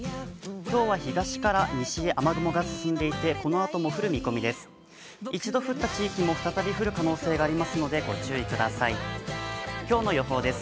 今日は東から西へ雨雲が進んでいて、このあとも降る見込みです。